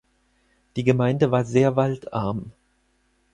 Die Gemeinde war sehr waldarm.